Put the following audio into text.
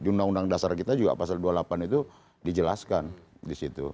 di undang undang dasar kita juga pasal dua puluh delapan itu dijelaskan di situ